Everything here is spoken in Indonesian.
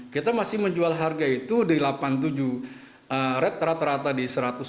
kita masih menjual harga itu di delapan puluh tujuh rat rata rata di satu ratus sepuluh satu ratus lima belas